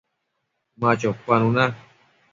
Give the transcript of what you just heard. Ma chopanuna